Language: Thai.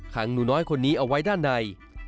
หนูน้อยคนนี้เอาไว้ด้านใน